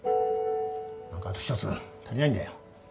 何かあと一つ足りないんだよ。